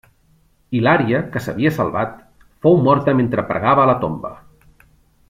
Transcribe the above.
Hilària, que s'havia salvat, fou morta mentre pregava a la tomba.